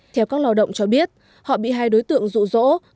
theo các lao động cho biết họ bị hai đối tượng rụ rỗ